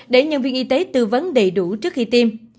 để nhân viên y tế tư vấn đầy đủ trước khi tiêm